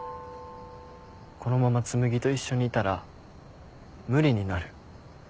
このまま紬と一緒にいたら無理になる。